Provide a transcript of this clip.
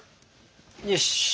よし。